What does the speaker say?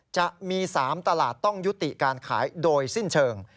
จะมี๓ตลาดต้องยุติการขายโดยสิ้นเชิง